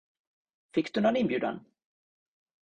Fick du någon inbjudan?